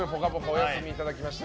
お休みいただきまして。